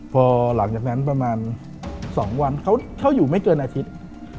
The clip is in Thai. พอหลังจากนั้นประมาณ๒วันเขาเช่าอยู่ไม่เกินอาทิตย์